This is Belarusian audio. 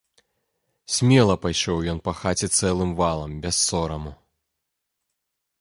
Смела пайшоў ён па хаце цэлым валам, без сораму.